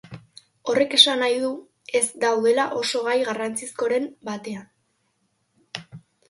Horrek esan nahi du ez daudela ados gai garrantzizkoren batean.